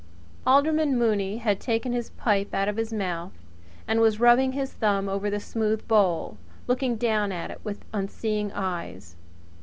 Alderman Mooney had taken his pipe out of his mouth and was rubbing his thumb over the smooth bowl, looking down at it with unseeing eyes.